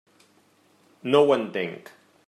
No ho entenc.